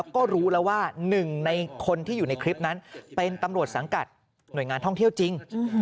ก็รู้แล้วว่าหนึ่งในคนที่อยู่ในคลิปนั้นเป็นตำรวจสังกัดหน่วยงานท่องเที่ยวจริง